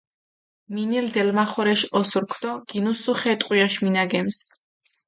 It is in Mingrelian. მინილჷ დელმახორეშ ოსურქ დო გინუსუ ხე ტყვიაშ მინაგემს.